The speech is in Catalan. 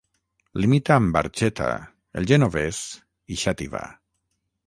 Limita amb Barxeta, El Genovés i Xàtiva.